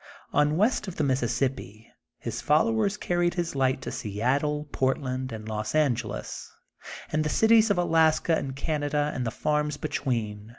On west of the Mis sissippi his followers carried his light to Seattle, Portland, and Los Angeles, and the cities of Alaska and Canada and the farms between.